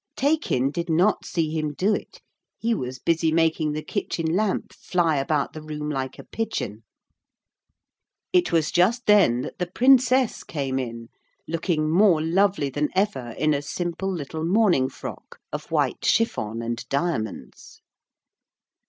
Taykin did not see him do it; he was busy making the kitchen lamp fly about the room like a pigeon. It was just then that the Princess came in, looking more lovely than ever in a simple little morning frock of white chiffon and diamonds.